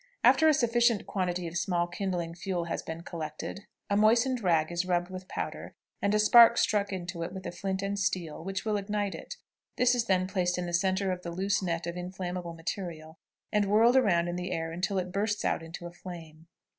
After a sufficient quantity of small kindling fuel has been collected, a moistened rag is rubbed with powder, and a spark struck into it with a flint and steel, which will ignite it; this is then placed in the centre of the loose nest of inflammable material, and whirled around in the air until it bursts out into a flame.